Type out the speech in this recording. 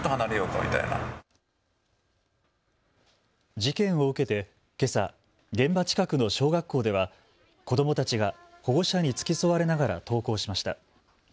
事件を受けて、けさ現場近くの小学校では子どもたちが保護者に付き添われながら登校しました。